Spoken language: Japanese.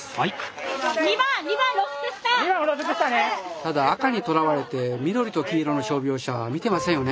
ただ赤にとらわれて緑と黄色の傷病者見てませんよね。